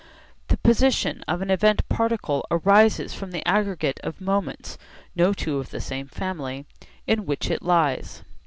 The position of an event particle arises from the aggregate of moments (no two of the same family) in which it lies.